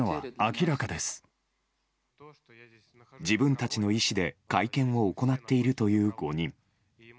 自分たちの意思で会見を行っているという５人。